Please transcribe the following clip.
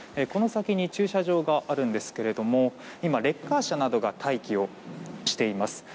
この先に駐車場があるんですが今、レッカー車などが待機をしています。